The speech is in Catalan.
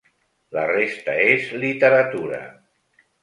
La resta és literatura.